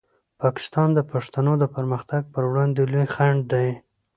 پاکستان د پښتنو د پرمختګ په وړاندې لوی خنډ دی.